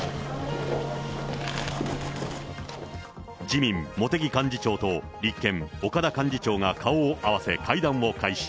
自民、茂木幹事長と立憲、岡田幹事長が顔を合わせ、会談を開始。